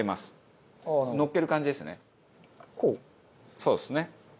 そうですね。